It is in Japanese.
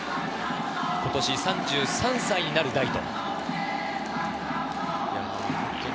今年３３歳になる代です。